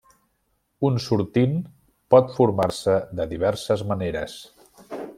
Un sortint pot formar-se de diverses maneres.